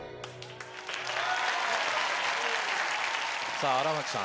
さぁ荒牧さん。